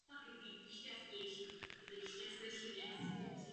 Byl studentem hudební technologie na škole Wolverhampton College.